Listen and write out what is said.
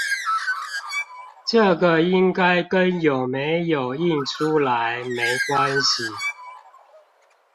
這個應該跟有沒有印出來沒關係